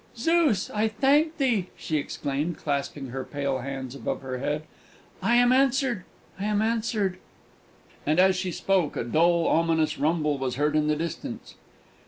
"Zeus, I thank thee!" she exclaimed, clasping her pale hands above her head; "I am answered! I am answered!" And, as she spoke, a dull ominous rumble was heard in the distance.